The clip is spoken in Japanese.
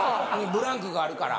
ブランクがあるから。